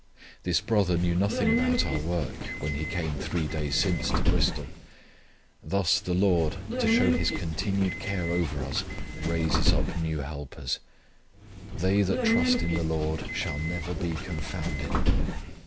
This brother knew nothing about our work, when he came three days since to Bristol. Thus the Lord, to show His continued care over us, raises up new helpers. They that trust in the Lord shall never be confounded!